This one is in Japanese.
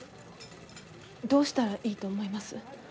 どうしたらいいと思います？